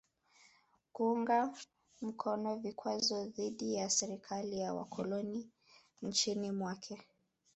Kuunga mkono vikwazo dhidi ya serikali ya wakoloni nchini mwake